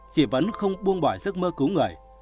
chị vẫn không buông bỏ giấc mơ cứu người